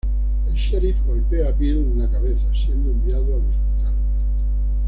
El sheriff golpea a Bill en la cabeza, siendo enviado al hospital.